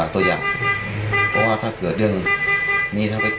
ตัวอย่างเหมือนกัน